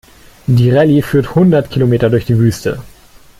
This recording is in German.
Die Rallye führt hundert Kilometer durch die Wüste.